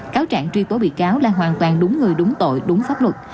cáo trạng truy tố bị cáo là hoàn toàn đúng người đúng tội đúng pháp luật